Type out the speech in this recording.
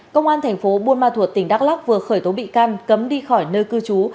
công an thành phố buôn ma thuột tỉnh đắk lắc vừa khởi tố bị can cấm đi khỏi nơi cư trú